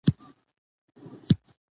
انګلیسیان به په خپل ټول طاقت دفاع کوي.